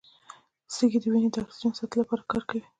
سږي د وینې د اکسیجن ساتلو لپاره کار کوي.